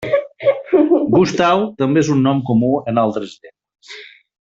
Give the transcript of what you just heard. Gustau també és un nom comú en altres llengües.